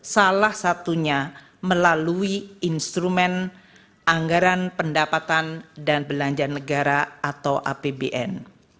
salah satunya melalui instrumen anggaran pendapatan dan belanja negara atau apbn